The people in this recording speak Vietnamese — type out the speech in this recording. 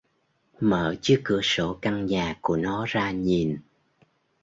Mở chiếc cửa sổ căn nhà của nó ra nhìn